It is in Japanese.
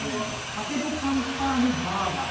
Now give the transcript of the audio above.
パテ・ド・カンパーニュバーガーになってます。